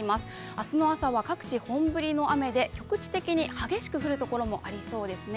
明日の朝は各地本降りの雨で局地的に激しく降るところもありそうですね。